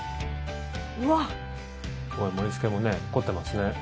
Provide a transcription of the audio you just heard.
盛りつけも凝ってますね。